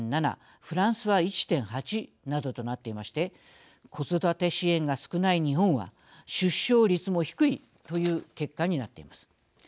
フランスは１．８などとなっていまして子育て支援が少ない日本は出生率も低いという結果になっています。